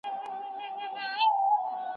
آیا پوهه د کرکې مخه نیسي؟